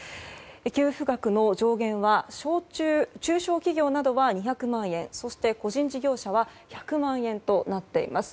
給付額の上限は中小企業などは２００万円そして個人事業者は１００万円となっています。